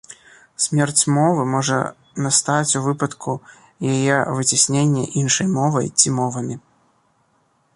Смерць мовы можа настаць у выпадку яе выцяснення іншай мовай ці мовамі.